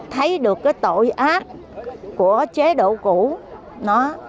thấy được cái tội ác của chế độ cũ nó